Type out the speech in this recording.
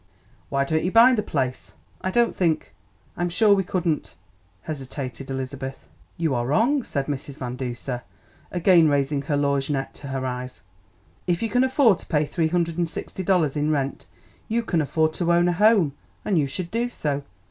Why don't you buy the place?" "I don't think I'm sure we couldn't " hesitated Elizabeth. "You are wrong," said Mrs. Van Duser, again raising her lorgnette to her eyes; "if you can afford to pay three hundred and sixty dollars in rent you can afford to own a home, and you should do so.